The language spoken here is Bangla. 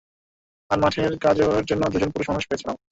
আর মাঠের কাজের জন্য দুজন পুরুষমানুষ বেছে নাও।